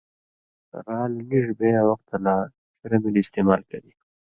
رال نیژ بے یاں وختہ لا ڇھیرہ ملی استعمال کری۔